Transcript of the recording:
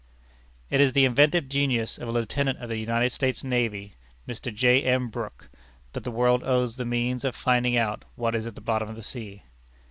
] It is to the inventive genius of a lieutenant of the United States navy, Mr. J. M. Brooke, that the world owes the means of finding out what is at the bottom of the sea.